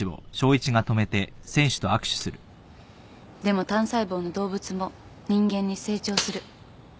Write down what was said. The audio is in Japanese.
でも単細胞の動物も人間に成長する。